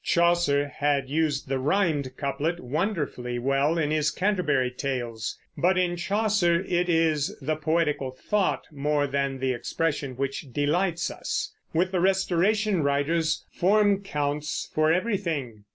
Chaucer had used the rimed couplet wonderfully well in his Canterbury Tales, but in Chaucer it is the poetical thought more than the expression which delights us. With the Restoration writers, form counts for everything.